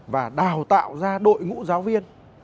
và đào tạo ra đội ngũ giáo viên